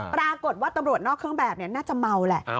ปรากฏว่าตำรวจนอกเครื่องแบบน่าจะเมาแหละ